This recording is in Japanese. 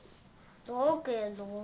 だけど。